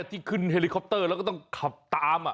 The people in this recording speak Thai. ที่ขึ้นเฮลิคอปเตอร์แล้วก็ต้องขับตาม